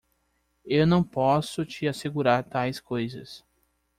Eu não posso te assegurar tais coisas.